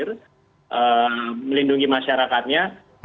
mereka harus hadir melindungi masyarakatnya